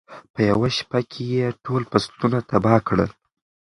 په یوه شپه کې یې ټول فصلونه تباه کړل.